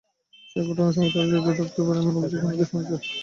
সেই ঘটনার সঙ্গে তাঁরা জড়িত থাকতে পারেন, এমন অভিযোগ অনেকেই শুনেছেন।